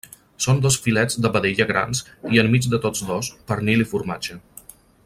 Són dos filets de vedella grans i, enmig de tots dos, pernil i formatge.